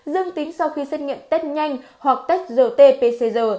dương tính sau khi xét nghiệm test nhanh hoặc test rt pcr